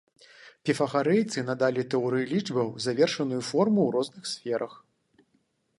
Піфагарэйцы надалі тэорыі лічбаў завершаную форму ў розных сферах.